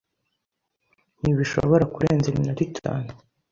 Ntibishobora kurenza iminota itanu.